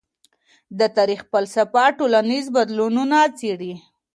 د تاریخ فلسفه ټولنیز بدلونونه څېړي.